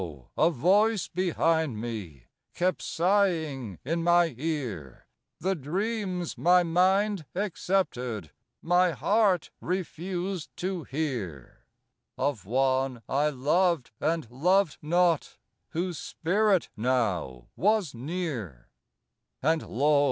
a voice behind me Kept sighing in my ear The dreams my mind accepted, My heart refused to hear Of one I loved and loved not, Whose spirit now was near, And, lo!